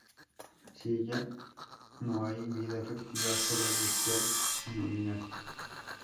Sin ella no hay vida efectiva, sólo virtual, nominal.